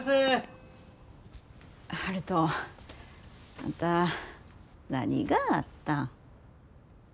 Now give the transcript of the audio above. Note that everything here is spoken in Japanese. あんた何があったん？